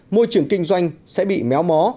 môi trường kinh doanh sẽ bị méo mó